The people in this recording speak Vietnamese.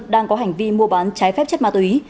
đang có hành vi mua bán trái phép chất ma túy